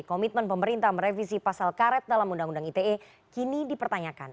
komitmen pemerintah merevisi pasal karet dalam undang undang ite kini dipertanyakan